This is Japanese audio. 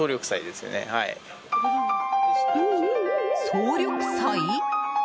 総力祭？